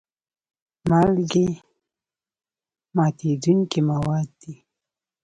مالګې ماتیدونکي مواد دي.